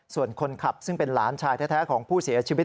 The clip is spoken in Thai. ส่วนคนขับซึ่งเป็นหลานชายแท้ของผู้เสียชีวิต